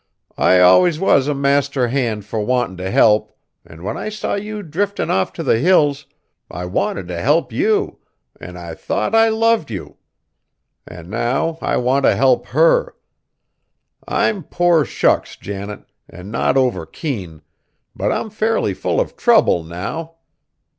I allus was a master hand fur wantin' t' help, an' when I saw you driftin' off t' the Hills, I wanted t' help you, an' I thought I loved you! An' now I want t' help her. I'm poor shucks, Janet, an' not over keen; but I'm fairly full of trouble now!"